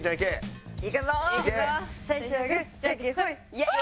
イエーイ！